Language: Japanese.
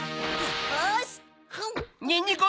よし！